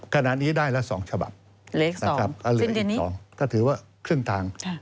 ขณะนี้ได้ละ๒ฉบับนะครับก็เหลืออีก๒ก็ถือว่าครึ่งทาง